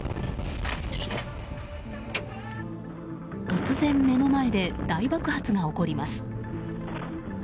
突然、目の前で大爆発が起こります。